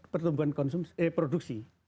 pertumbuhan konsumsi eh produksi